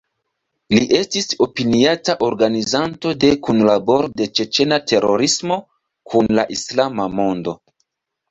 Li estis opiniata organizanto de kunlaboro de ĉeĉena terorismo kun la islama mondo.